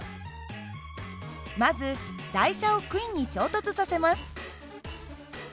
まず台車を杭に衝突させます。